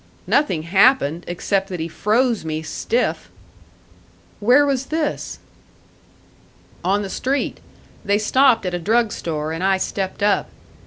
"Nothing happened; except that he froze me stiff." "Where was this?" "On the street. They stopped at a drug store, and I stepped up.